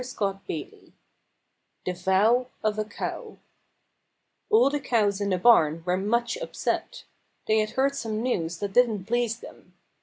XXIII THE VOW OF A COW All the cows in the barn were much upset. They had heard some news that didn't please them.